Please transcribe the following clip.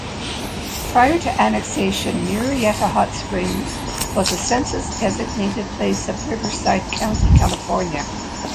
Prior to annexation, Murrieta Hot Springs was a Census-designated place of Riverside County, California.